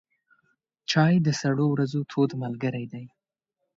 چای د سړو ورځو تود ملګری دی.